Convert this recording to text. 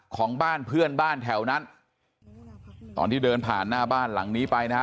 ของบ้านเพื่อนบ้านแถวนั้นตอนที่เดินผ่านหน้าบ้านหลังนี้ไปนะฮะ